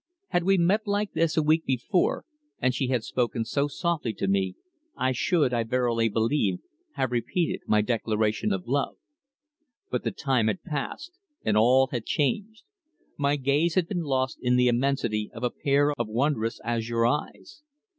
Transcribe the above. Had we met like this a week before and she had spoken so softly to me I should, I verily believe, have repeated my declaration of love. But the time had passed, and all had changed. My gaze had been lost in the immensity of a pair of wondrous azure eyes.